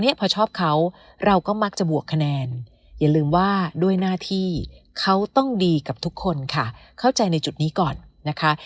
อย่าลืมว่าด้วยหน้าที่เขาต้องดีกับทุกคนค่ะเข้าใจในจุดนี้ก่อนนะคะ